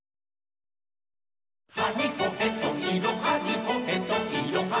「はにほへといろはにほへといろは」